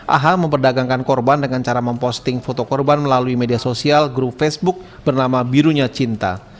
aha memperdagangkan korban dengan cara memposting foto korban melalui media sosial grup facebook bernama birunya cinta